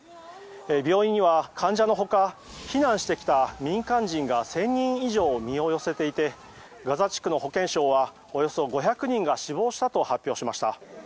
病院には患者のほか避難してきた民間人が１０００人以上身を寄せていてガザ地区の保健省はおよそ５００人が死亡したと発表しました。